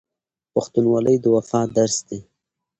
پښتونولي د وفا درس دی.